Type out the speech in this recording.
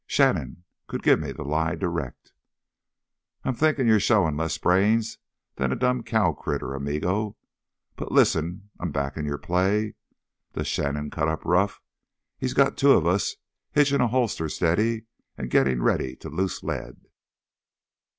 Shannon could give me the lie direct." "I'm thinkin' you're showin' less brains than a dumb cow critter, amigo. But, lissen—I'm backin' your play. Does Shannon cut up rough, he's got two of us hitchin' a holster steady an' gittin' ready to loose lead."